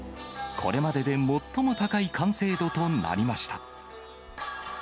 これまでで最も高い完成度となりました。